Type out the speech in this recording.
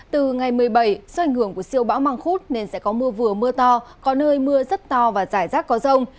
từ ngày một mươi bảy do ảnh hưởng của siêu bão măng khuốt nên sẽ có mưa vừa mưa to có nơi mưa rất to và giải rác có rông